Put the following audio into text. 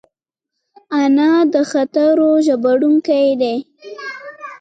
انا د خاطرو ژباړونکې ده